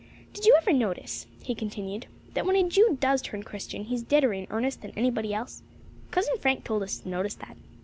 "Did you ever notice," he continued, "that when a Jew does turn Christian he's deader in earnest than anybody else? Cousin Frank told us to notice that.